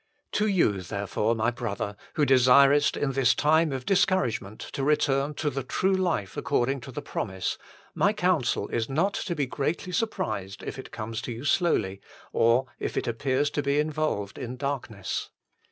To you, therefore, my brother, who desirest in this time of discouragement to return to the true life according to the promise, my counsel is not to be greatly surprised if it comes HOW IT MAY BE INCREASED 111 to you slowly or if it appears to be involved in darkness.